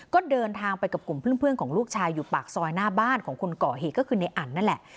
ก็เดินทางไปกับกลุ่มเพื่อนของลูกชายอยู่ปากซอยหน้าบ้านของคนก่อเหตุก็คือในอันนั่นแหละ